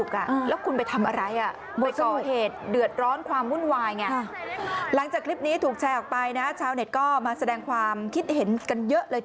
กลุ่มวัยรุ่นชอบปวดงานหมอลำ